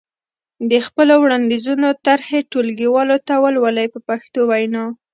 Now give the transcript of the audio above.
د خپلو وړاندیزونو طرحې ټولګیوالو ته ولولئ په پښتو وینا.